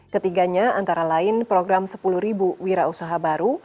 ketiganya antara lain program sepuluh wira usaha baru